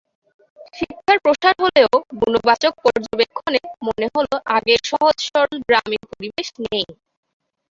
শিক্ষার প্রসার হলেও গুণবাচক পর্যবেক্ষণে মনে হলো আগের সহজ-সরল গ্রামীণ পরিবেশ নেই।